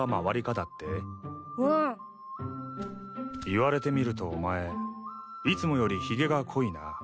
言われてみるとお前いつもよりひげが濃いな。